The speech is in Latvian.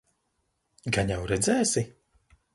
Gan jau redzēsi?